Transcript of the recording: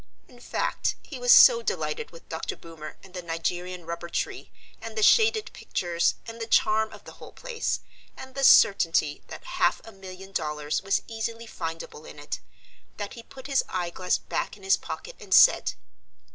In fact, he was so delighted with Dr. Boomer and the Nigerian rubber tree and the shaded pictures and the charm of the whole place and the certainty that half a million dollars was easily findable in it, that he put his eyeglass back in his pocket and said.